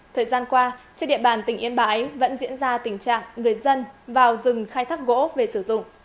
thời gian qua trên địa bàn tỉnh yên bái vẫn diễn ra tình trạng người dân vào rừng khai thác gỗ về sử dụng